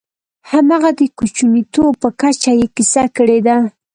همغه د کوچنیتوب په کچه یې کیسه کړې ده.